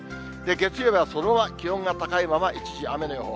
月曜日はそのまま気温が高いまま、一時雨の予報。